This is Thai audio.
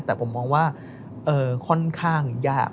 แต่ผมมองว่าค่อนข้างยาก